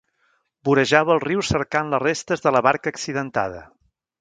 Vorejava el riu cercant les restes de la barca accidentada.